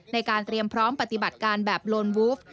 ในการเตรียมพร้อมปฏิบัติการแบบโลนวูฟ